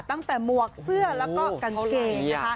ตั้งแต่หมวกเสื้อแล้วก็กางเกง